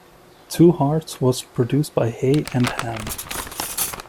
"Two Hearts" was produced by Hay and Ham.